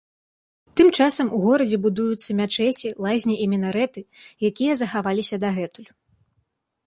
Тым часам у горадзе будуюцца мячэці, лазні і мінарэты, якія захаваліся дагэтуль.